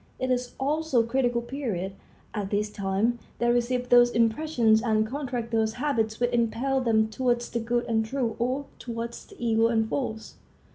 It is also the critical period. At this time they receive those impressions and contract those habits which impel them towards the good and true or towards the evil and false.